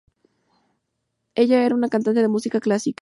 Ella era una cantante de música clásica.